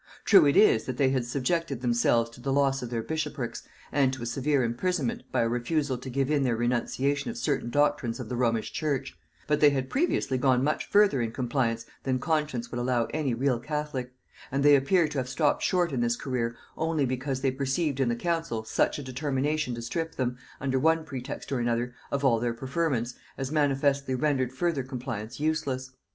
True it is that they had subjected themselves to the loss of their bishoprics, and to a severe imprisonment, by a refusal to give in their renunciation of certain doctrines of the Romish church; but they had previously gone much further in compliance than conscience would allow to any real catholic; and they appear to have stopped short in this career only because they perceived in the council such a determination to strip them, under one pretext or another, of all their preferments, as manifestly rendered further compliance useless.